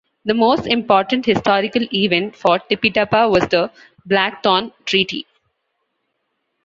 The most important historical event for Tipitapa was the Black Thorn Treaty.